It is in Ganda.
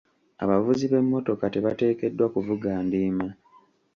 Abavuzi b'emmotoka tebateekeddwa kuvuga ndiima.